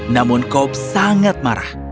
namun cobb sangat marah